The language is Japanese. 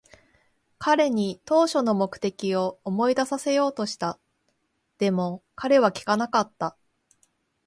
彼に当初の目的を思い出させようとした。でも、彼は聞かなかった。